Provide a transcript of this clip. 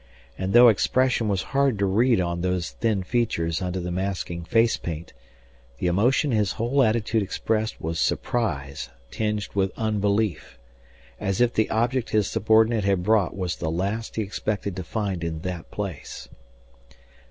And though expression was hard to read on those thin features under the masking face paint, the emotion his whole attitude expressed was surprise tinged with unbelief as if the object his subordinate had brought was the last he expected to find in that place.